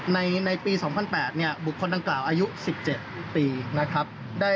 ในปี๒๐๐๘บุคคลต่างกล่าวอายุ๑๗ปีนะครับ